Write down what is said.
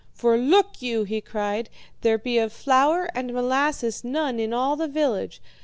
'For look you,' he cried, 'there be of flour and molasses none in all the village.